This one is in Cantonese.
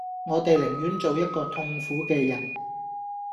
我地寧願做一個痛苦既人